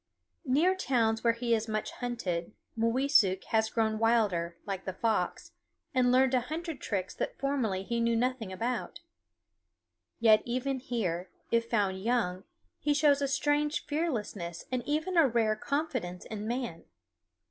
Near towns where he is much hunted Mooweesuk has grown wilder, like the fox, and learned a hundred tricks that formerly he knew nothing about. Yet even here, if found young, he shows a strange fearlessness and even a rare confidence in man.